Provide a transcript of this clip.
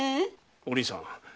お凛さん